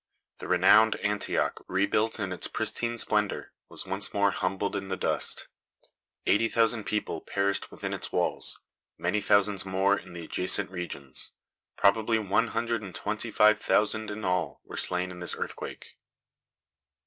The renowned Antioch, rebuilt in its pristine splendor, was once more humbled in the dust. Eighty thousand people perished within its walls; many thousands more in the adjacent regions. Probably one hundred and twenty five thousand in all were slain in this earthquake.